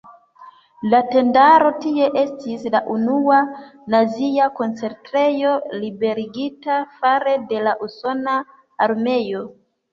La tendaro tie estis la unua nazia koncentrejo liberigita fare de la usona armeo.